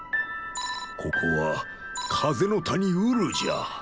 ここは風の谷ウルじゃ。